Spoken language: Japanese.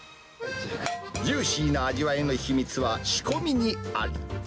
ジューシーな味わいの秘密は、仕込みにあり。